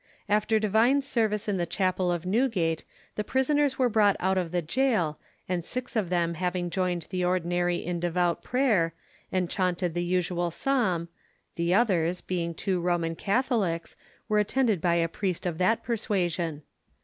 After divine service in the chapel of Newgate, the prisoners were brought out of the gaol, and six of them having joined the ordinary in devout prayer, and chaunted the usual psalm (the others, being two Roman Catholicks, were attended by a priest of that persuasion).